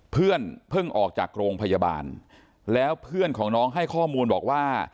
เพื่อนเพิ่งออกจากโรงพยาบาลแล้วเพื่อนของน้องให้ข้อมูลบอกว่า